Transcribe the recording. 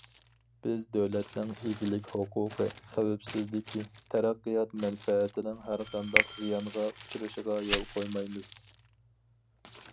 بىز دۆلەتنىڭ ئىگىلىك ھوقۇقى، خەۋپسىزلىكى، تەرەققىيات مەنپەئەتىنىڭ ھەرقانداق زىيانغا ئۇچرىشىغا يول قويمايمىز.